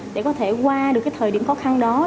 để có thể qua được cái thời điểm khó khăn đó